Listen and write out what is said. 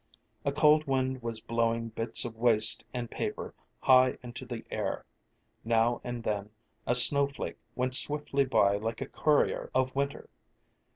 A cold wind was blowing bits of waste and paper high into the air; now and then a snowflake went swiftly by like a courier of winter.